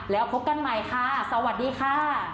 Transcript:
แล้วพบกันใหม่ค่ะสวัสดีค่ะ